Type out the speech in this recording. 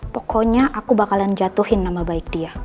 pokoknya aku bakalan jatuhin nama baik dia